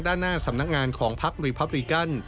ด้านหน้าสำนักงานของพักรีพับริกัน